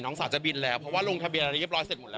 น้องสาวจะบินแล้วเพราะว่าลงทะเบียนอะไรเรียบร้อยเสร็จหมดแล้ว